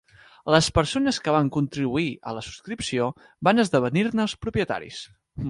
Les persones que van contribuir a la subscripció van esdevenir-ne els propietaris.